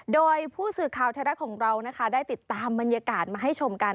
โดยผู้สื่อค้าวเทศรักษณ์ของเราได้ติดตามบรรยากาศมาให้ชมกัน